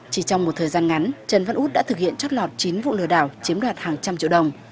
chỉ trong một thời gian ngắn trần văn út đã thực hiện trót lọt chín vụ lừa đảo chiếm đoạt hàng trăm triệu đồng